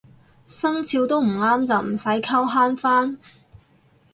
生肖都唔啱就唔使溝慳返